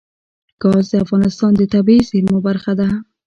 ګاز د افغانستان د طبیعي زیرمو برخه ده.